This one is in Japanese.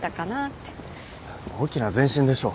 大きな前進でしょ。